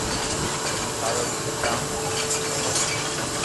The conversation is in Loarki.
ھون ٿارو پيتا ھون